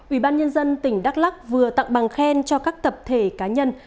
ủy ban nhân dân tỉnh đắk lắc vừa tặng bằng khen cho các tập thể cá nhân